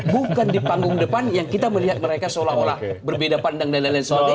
bukan di panggung depan yang kita melihat mereka seolah olah berbeda pandang dan lain lain sebagainya